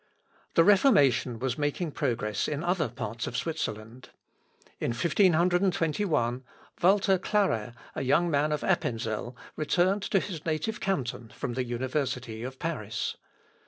The Reformation was making progress in other parts of Switzerland. In 1521, Walter Klarer, a young man of Appenzel, returned to his native canton from the university of Paris.